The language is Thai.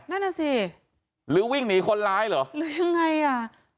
นั่นน่ะสิหรือวิ่งหนีคนร้ายเหรอหรือยังไงอ่ะ